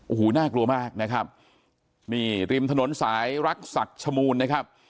โอ้โหน่ากลัวมากนะครับนี่ริมถนนสายรักศักดิ์ชมูลนะครับ